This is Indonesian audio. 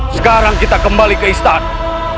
sekarang kita kembali ke istana